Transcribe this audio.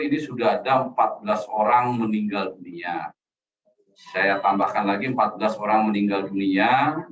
ini sudah ada empat belas orang meninggal dunia saya tambahkan lagi empat belas orang meninggal dunia